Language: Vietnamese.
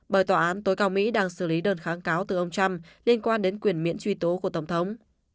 bởi tòa án tối cao mỹ đang xử lý đơn kháng cáo từ ông trump liên quan đến quyền miễn truy tố của tổng thống